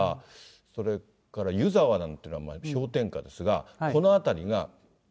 それから湯沢なんていうのは、氷点下ですが。